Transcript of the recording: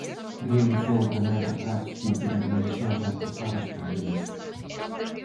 Realizou tamén retratos, pintura relixiosa e portadas para revistas.